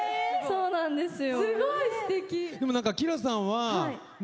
そうなんですよ。